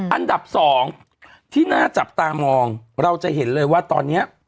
อันดับ๒ที่น่าจับตามองเราจะเห็นเลยว่าตอนนี้